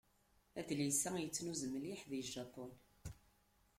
Adlis-a yettnuz mliḥ deg Japun.